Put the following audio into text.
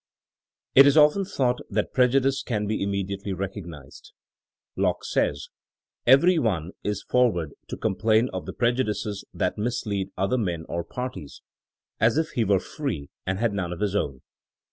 It is often thought that prejudice can be im mediately recognized. Locke says, *^ Every one is forward to complain of the prejudices that mislead other men. or parties, as if he were free and had none of his own.